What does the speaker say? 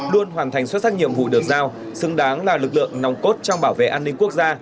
luôn hoàn thành xuất sắc nhiệm vụ được giao xứng đáng là lực lượng nòng cốt trong bảo vệ an ninh quốc gia